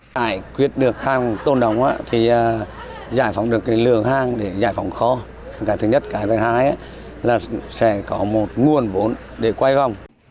tại quyết được hàng tồn đọng thì giải phóng được lượng hàng để giải phóng kho